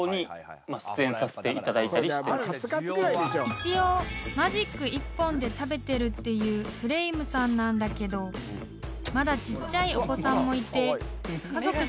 ［一応マジック一本で食べてるっていうフレイムさんなんだけどまだちっちゃいお子さんもいて］